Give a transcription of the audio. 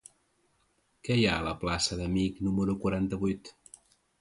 Què hi ha a la plaça d'Amich número quaranta-vuit?